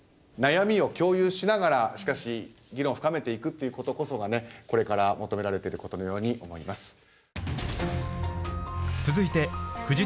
悩みを共有しながらしかし議論を深めていくっていうことこそがこれから求められてることのように思います。